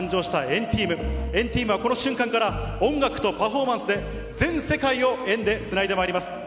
エンティームはこの瞬間から、音楽とパフォーマンスで、全世界をエンでつないでまいります。